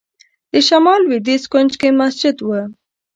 د شمال لوېدیځ کونج کې مسجد و.